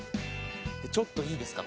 ちょっといいですか？